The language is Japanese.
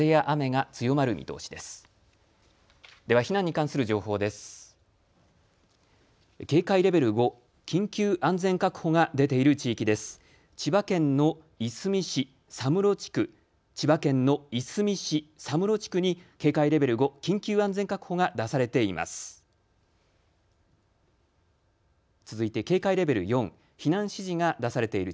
千葉県のいすみ市佐室地区、千葉県のいすみ市佐室地区に警戒レベル５、緊急安全確保が出されています。